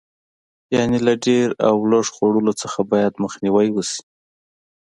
یعنې له ډېر او لږ خوړلو څخه باید مخنیوی وشي.